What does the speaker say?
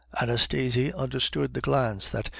Anastasie understood the glance that M.